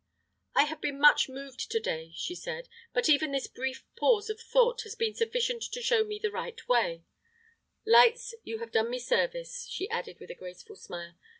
"I have been much moved to day," she said, "but even this brief pause of thought has been sufficient to show me the right way Lights, you have done me service," she added, with a graceful smile.